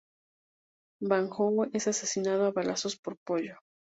Banjo es asesinado a balazos por Pollo.